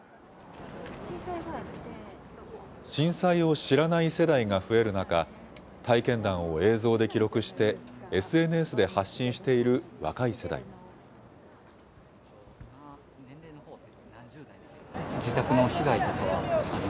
震災を知らない世代が増える中、体験談を映像で記録して、ＳＮＳで発信している若い世代も。